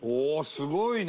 すごいね。